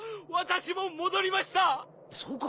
そうか？